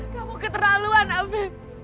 kamu keterlaluan afif